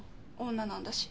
女なんだし。